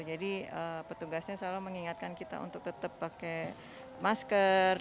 jadi petugasnya selalu mengingatkan kita untuk tetap pakai masker